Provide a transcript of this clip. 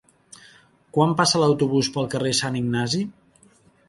Quan passa l'autobús pel carrer Sant Ignasi?